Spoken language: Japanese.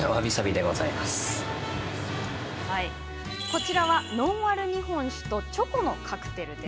こちらは、ノンアル日本酒とチョコのカクテル。